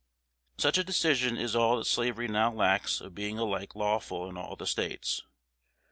Such a decision is all that slavery now lacks of being alike lawful in all the States.